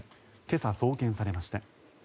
今朝、送検されました。